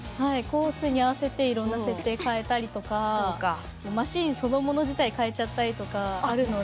コースに合わせていろんな設定かえたりとかマシーンそのもの自体かえちゃったりとかあるので。